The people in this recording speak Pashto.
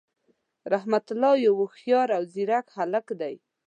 رحمت الله یو هوښیار او ځیرک هللک دی.